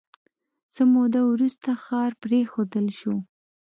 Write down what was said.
یو څه موده وروسته ښار پرېښودل شو